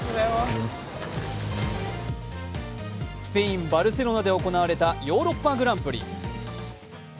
スペイン・バルセロナで行われたヨーロッパグランプリ。